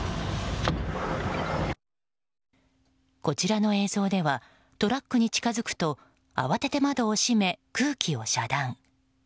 こちらの映像ではトラックに近づくとあわてて窓を閉め、空気を遮断。